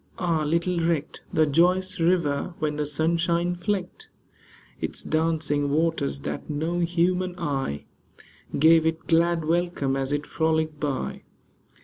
Ah ! little recked The joyous river, when the sunshine flecked Its dancing waters, that no human eye Gave it glad welcome as it frolicked by